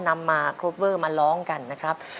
นำมาครบเวอร์มาร้องกันนะครับ